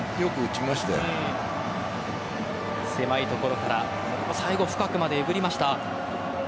狭い所から最後、深くまでえぐりました。